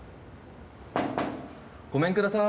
ごめんください。